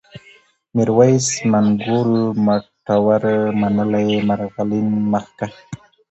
ميرويس ، منگول ، مټور ، منلی ، مرغلين ، مخکښ